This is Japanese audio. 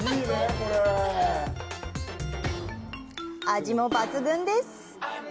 味も抜群です！